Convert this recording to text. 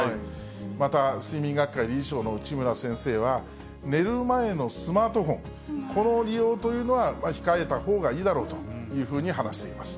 また、睡眠学会理事長の内村先生は、寝る前のスマートフォン、この利用というのは控えたほうがいいだろうというふうに話しています。